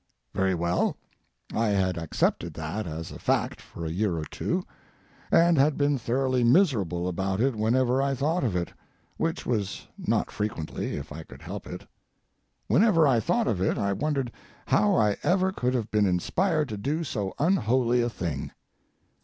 Very well; I had accepted that as a fact for a year or two, and had been thoroughly miserable about it whenever I thought of it—which was not frequently, if I could help it. Whenever I thought of it I wondered how I ever could have been inspired to do so unholy a thing.